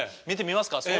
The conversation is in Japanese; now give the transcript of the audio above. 見てみますか。